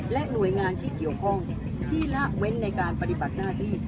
หน่วยงานที่เกี่ยวข้องที่ละเว้นในการปฏิบัติหน้าที่